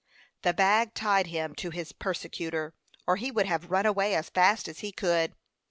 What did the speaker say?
The bag tied him to his persecutor, or he would have run away as fast as he could.